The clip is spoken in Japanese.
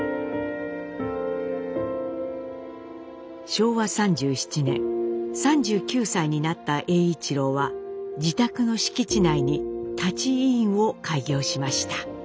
昭和３７年３９歳になった栄一郎は自宅の敷地内に「舘医院」を開業しました。